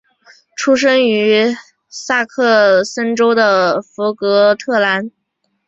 出生于萨克森州的福格特兰。